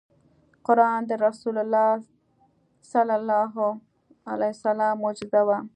قرآن د رسول الله ص معجزه وه .